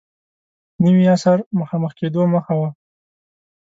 نوي عصر مخامخ کېدو مخه و.